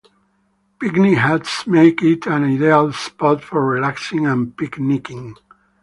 Picnic Huts make it an ideal spot for relaxing and picnicking.